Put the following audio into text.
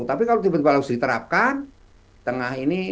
tapi kalau tiba tiba harus diterapkan tengah ini